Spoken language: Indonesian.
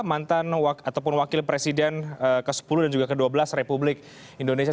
mantan ataupun wakil presiden ke sepuluh dan juga ke dua belas republik indonesia